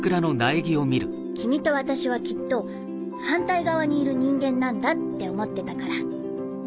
君と私はきっと反対側にいる人間なんだって思ってたから。